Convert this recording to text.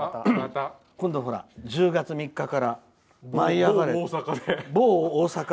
今度、１０月３日から「舞いあがれ！」が。